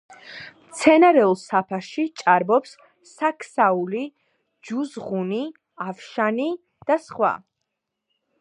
მცენარეულ საფარში ჭარბობს საქსაული, ჯუზღუნი, ავშანი და სხვა.